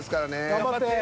頑張って。